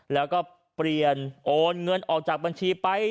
แล้วก็เปลี่ยนโอนเงินออกจากบัญชีไป